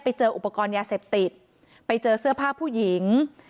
ไปเจออุปกรณ์ยาเสพติดไปเจอเสื้อผ้าผู้หญิง